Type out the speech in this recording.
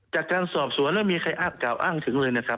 จากการสอบส่วนแล้วมีใครอ้างถึงเลยค่ะ